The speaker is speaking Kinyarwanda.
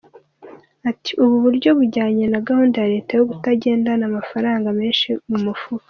Ati “Ubu buryo bujyanye na gahunda ya Leta yo kutagendana amafaranga menshi mu mufuka.